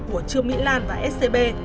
của trường mỹ lan và scb